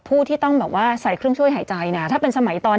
เพื่อไม่ให้เชื้อมันกระจายหรือว่าขยายตัวเพิ่มมากขึ้น